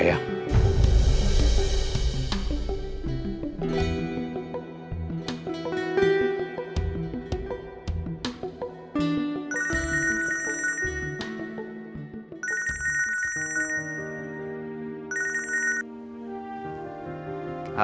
sampai jumpa lagi